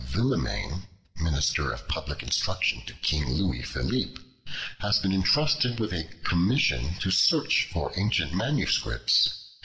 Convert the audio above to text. Villemain, Minister of Public Instruction to King Louis Philippe, had been entrusted with a commission to search for ancient MSS.